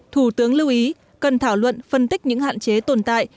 thủ tướng lưu ý cần thảo luận phân tích những hạn chế tồn tại